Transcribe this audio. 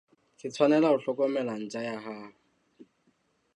Ke tshwanelo ho hlokomela ntja ya hao.